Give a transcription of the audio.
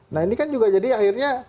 nah ini kan juga jadi akhirnya